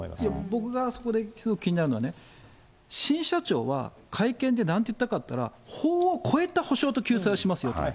僕がそこで一つ気になるのはね、新社長は、会見でなんて言ったかといったら、法を超えた補償と救済をしますよと。